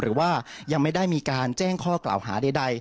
หรือว่ายังไม่ได้มีการแจ้งข้อกล่าวหาใด